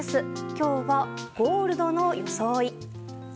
今日は、ゴールドの装い。